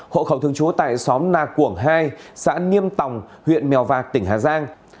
hộ khẩu thường chú tại xóm nà cuộng hai xã niêm tòng huyện mèo vạc tỉnh hà giang